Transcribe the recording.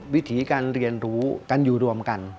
วิถีการเรียนรู้การอยู่รวมกัน